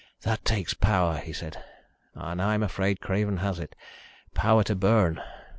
"That takes power," he said, "and I'm afraid Craven has it. Power to burn."